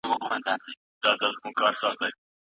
د ټولنپوهنې په علم کې د معاصر ټیکنالوژۍ اغیز څه دی؟